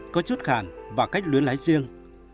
có chút khản và cách luyến lái riêng